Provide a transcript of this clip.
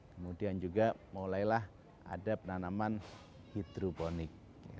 kemudian juga mulailah ada penanaman hidroponik